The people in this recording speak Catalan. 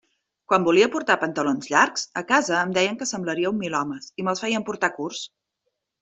Quan volia portar pantalons llargs a casa em deien que semblaria un milhomes, i me'ls feien portar curts.